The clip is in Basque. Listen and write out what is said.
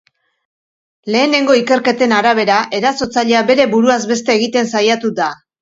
Lehenengo ikerketen arabera, erasotzailea bere buruaz beste egiten saiatu da.